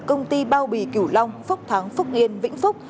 công ty bao bì kiểu long phúc thắng phúc yên vĩnh phúc